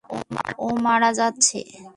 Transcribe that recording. ও মারা যাচ্ছে!